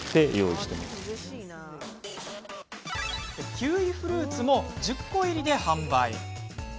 キウイフルーツも１０個入りで販売。